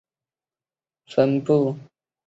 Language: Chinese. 本鱼分布于印度洋及太平洋海域。